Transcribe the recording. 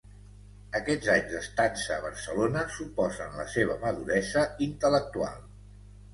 Aquests anys d'estança a Barcelona suposen la seva maduresa intel·lectual.